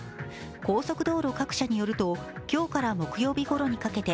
高速道路各社によると今日から木曜日ごろにかけて